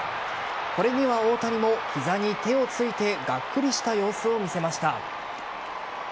これには大谷も膝に手をついてがっくりした様子を見せました。